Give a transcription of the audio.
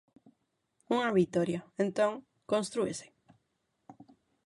Unha vitoria, entón, constrúese.